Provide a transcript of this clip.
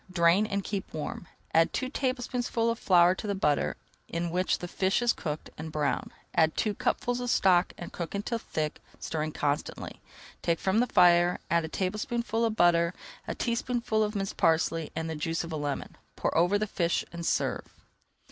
Drain and keep warm. Add two tablespoonfuls of flour to the butter, in which the fish is cooked, and brown. Add two cupfuls of stock and cook until thick, stirring constantly. Take [Page 280] from the fire, add a tablespoonful of butter, a teaspoonful of minced parsley, and the juice of a lemon. Pour over the fish and serve.